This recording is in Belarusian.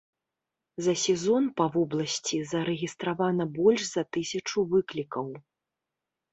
За сезон па вобласці зарэгістравана больш за тысячу выклікаў.